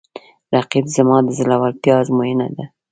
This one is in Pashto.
رقیب زما د زړورتیا آزموینه ده